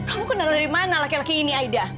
kamu kenal dari mana laki laki ini aida